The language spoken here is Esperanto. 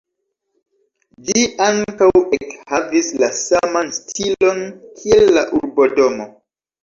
Ĝi ankaŭ ekhavis la saman stilon kiel la urbodomo.